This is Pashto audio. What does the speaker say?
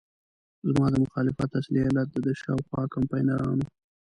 زما د مخالفت اصلي علت دده شاوخوا کمپاینران وو.